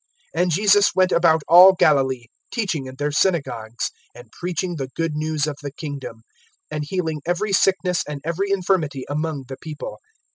(23)And Jesus went about all Galilee, teaching in their synagogues, and preaching the good news of the kingdom, and healing every sickness and every infirmity among the people.